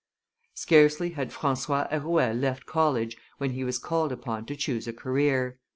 Scarcely had Francois Arouet left college when he was called upon to choose a career.